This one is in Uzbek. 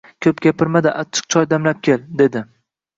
— Ko‘p gapirma-da, achchiq choy damlab kel, — dedi.